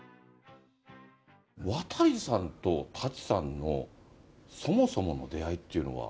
渡さんと舘さんのそもそもの出会いっていうのは？